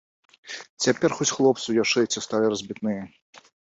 Цяпер хоць хлопцы ў ячэйцы сталі разбітныя.